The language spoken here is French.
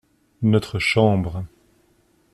Notre chambre.